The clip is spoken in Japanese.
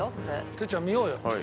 哲ちゃん見ようよ。